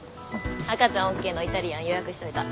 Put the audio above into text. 赤ちゃんＯＫのイタリアン予約しといた。